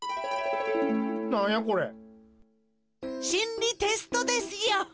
りテストですよ。